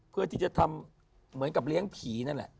เพื่อที่จะทำเหมือนกับเลี้ยงผีนั่นแหละ